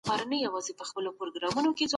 د داستاني ادبیاتو څېړنه زموږ دنده ده.